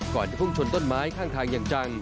ก่อนจะพุ่งชนต้นไม้ข้างทางอย่างจัง